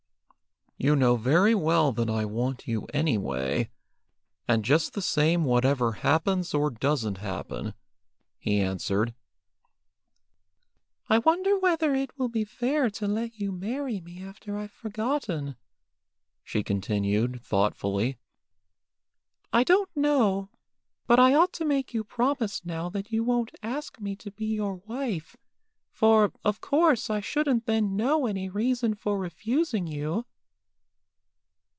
"You know very well that I want you any way, and just the same whatever happens or doesn't happen," he answered. "I wonder whether it will be fair to let you marry me after I've forgotten," she continued, thoughtfully. "I don't know, but I ought to make you promise now that you won't ask me to be your wife, for, of course, I shouldn't then know any reason for refusing you."